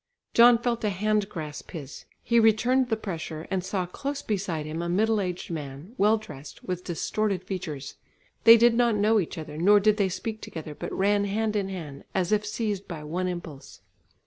John felt a hand grasp his. He returned the pressure, and saw close beside him a middle aged man, well dressed, with distorted features. They did not know each other, nor did they speak together, but ran hand in hand, as if seized by one impulse.